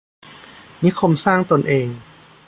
นิคมสร้างตนเอง